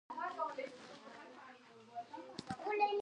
عملیات د همدې سړک له جوړېدو سره پيلېدل چې مهم پرمختګ و.